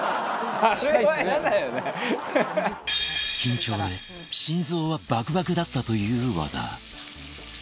緊張で心臓はバクバクだったという和田